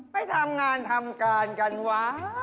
ไปทำงานทำการกันวะ